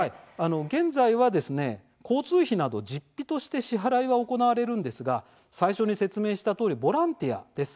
現在、交通費など実費として支払いは行われるんですが最初に説明したとおりボランティアです。